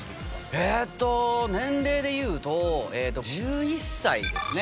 えっと年齢で言うと１１歳ですね。